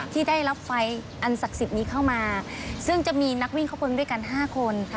ที่ได้รับไฟอันศักดิ์สิทธิ์นี้เข้ามาซึ่งจะมีนักวิ่งเข้าไปด้วยกัน๕คน